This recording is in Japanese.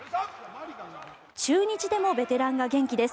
中日でもベテランが元気です。